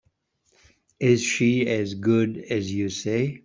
Is she as good as you say?